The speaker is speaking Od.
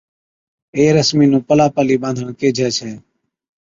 اي رسمِي نُون پلا پلي ٻانڌڻ ڪيهجَي ڇَي